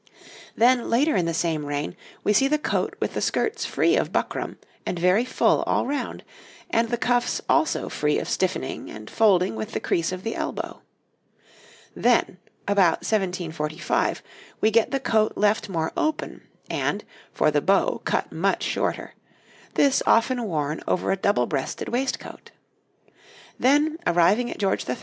Then, later in the same reign, we see the coat with the skirts free of buckram and very full all round, and the cuffs also free of stiffening and folding with the crease of the elbow. Then, about 1745, we get the coat left more open, and, for the beau, cut much shorter this often worn over a double breasted waistcoat. Then, arriving at George III.